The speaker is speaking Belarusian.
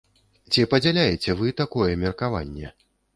Ці падзяляеце вы такое меркаванне?